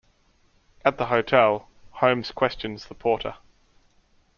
At the hotel, Holmes questions the porter.